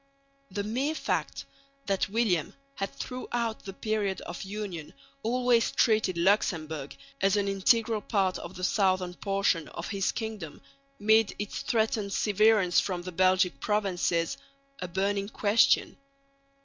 The mere fact that William had throughout the period of union always treated Luxemburg as an integral part of the southern portion of his kingdom made its threatened severance from the Belgic provinces a burning question.